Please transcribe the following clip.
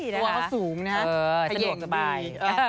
ตัวเขาสูงนะเย็นสบาย